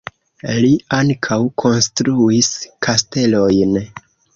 Li ankaŭ konstruis kastelojn.